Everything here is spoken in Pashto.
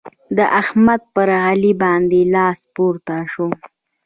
د احمد پر علي باندې لاس پورته شو.